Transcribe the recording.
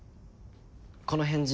この返事